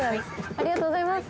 ありがとうございます。